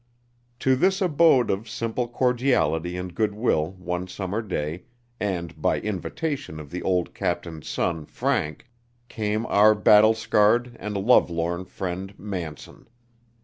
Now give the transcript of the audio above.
To this abode of simple cordiality and good will, one summer day, and by invitation of the old captain's son Frank, came our battle scarred and love lorn friend Manson.